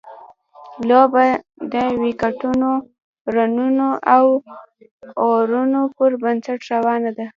لوبه د ویکټونو، رنونو او اورونو پر بنسټ روانه ده.